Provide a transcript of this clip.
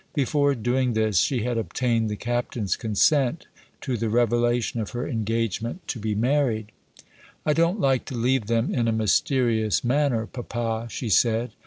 Before doing this, she had obtained the Captain's consent to the revelation of her engagement to be married. "I don't like to leave them in a mysterious manner, papa," she said.